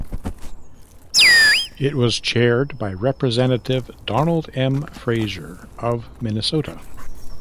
It was chaired by Representative Donald M. Fraser of Minnesota.